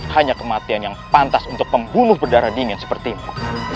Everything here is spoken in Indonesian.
hanya kematian yang pantas untuk pembunuh berdarah dingin sepertimu